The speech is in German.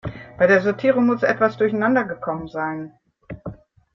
Bei der Sortierung muss etwas durcheinander gekommen sein.